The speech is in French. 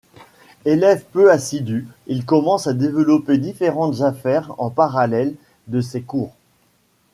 Elève peu assidu, il commence à développer différentes affaires en parallèle de ses cours.